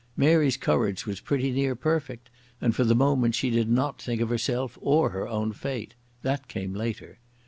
Mary's courage was pretty near perfect, and for the moment she did not think of herself or her own fate. That came later.